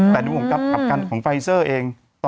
แต่ถึงของกับกันของไฟซอร์เอง